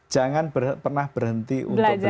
jangan pernah berhenti untuk